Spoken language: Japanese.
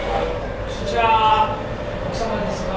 そちら奥様ですか？